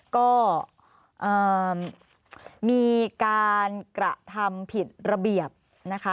ก็มีการกระทำผิดระเบียบนะคะ